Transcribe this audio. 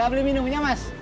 gak beli minumnya mas